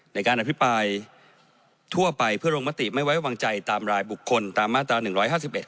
ในการอภิปายทั่วไปเพื่อลงมติไม่ไว้วางใจตามรายบุคคลตามมาตราหนึ่งร้อยห้าสิบเอ็ด